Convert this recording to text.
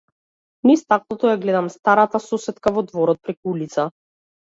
Низ стаклото ја гледам старата сосетка во дворот преку улица.